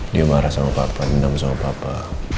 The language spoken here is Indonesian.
dia marah sama papa dinam sama papa